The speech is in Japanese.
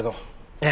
ええ。